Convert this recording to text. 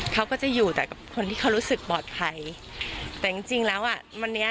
เขาก็จะอยู่แต่กับคนที่เขารู้สึกปลอดภัยแต่จริงจริงแล้วอ่ะวันนี้